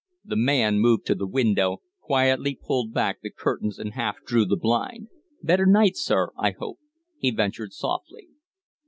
The man moved to the window, quietly pulled back the curtains and half drew the blind. "Better night, sir, I hope?" he ventured, softly.